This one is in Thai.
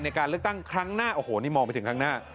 ในการเลือกตั้งครั้งหน้าโอ้โหนี่มองไปถึงข้างหน้า